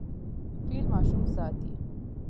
فیل ماشوم ساتي.